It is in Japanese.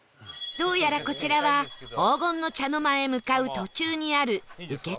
どうやらこちらは黄金の茶の間へ向かう途中にある受付のようです